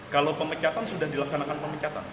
kalau pemecatan sudah dilaksanakan pemecatan